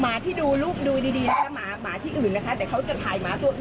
ที่ดูรูปดูดีดีนะคะหมาหมาที่อื่นนะคะแต่เขาจะถ่ายหมาตัวอื่น